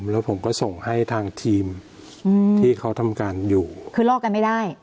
แล้วผมก็ส่งให้ทางทีมที่เขาทำการอยู่คือลอกกันไม่ได้